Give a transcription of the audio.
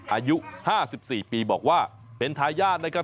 อายุ๕๔ปีบอกว่าเป็นทายาทนะครับ